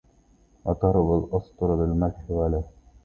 وترِّب الأسطرَ بالملح ولا